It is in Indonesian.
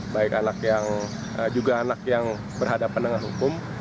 baik anak yang juga anak yang berhadapan dengan hukum